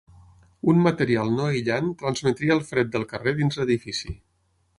Un material no aïllant transmetria el fred del carrer dins l'edifici.